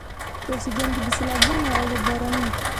اوسېدونکي د سيلابونو او د باراني